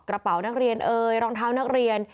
กระเป๋านักเรียนเอ่ยรองเท้านักเรียน